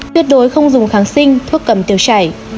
tuyệt đối không dùng kháng sinh thuốc cầm tiêu chảy